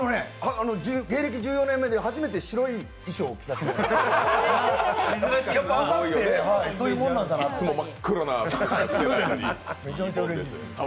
芸歴１４年目で初めて白い衣装を着させてもらいました。